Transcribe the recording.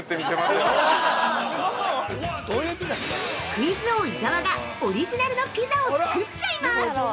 ◆クイズ王・伊沢がオリジナルのピザを作っちゃいます。